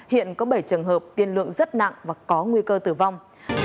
hiện có bảy trường hợp tiên lượng rất nặng và có nguy cơ tử vong